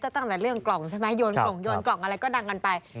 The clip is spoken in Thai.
ตั้งแต่เรื่องกล่องใช่ไหมโยนกล่องโยนกล่องอะไรก็ดังกันไป